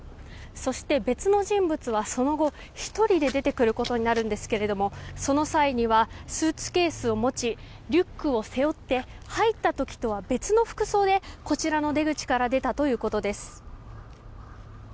そして、別の人物はその後１人で出てくることになるんですがその際には、スーツケースを持ちリュックを背負って入った時とは別の服装でこちらの出口から出たということです。